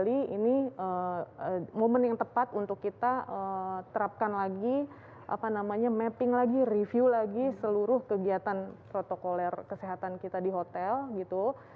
ini momen yang tepat untuk kita terapkan lagi apa namanya mapping lagi review lagi seluruh kegiatan protokoler kesehatan kita di hotel gitu